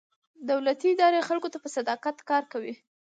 دولتي ادارې خلکو ته په صداقت کار کوي.